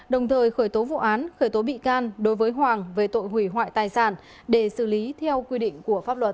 đồng thời khởi tố vụ án khởi tố bị can đối với hoàng về tội hủy hoại tài sản để xử lý theo quy định của pháp luật